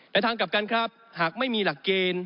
ทางกลับกันครับหากไม่มีหลักเกณฑ์